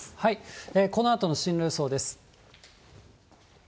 このあとの進路予想です。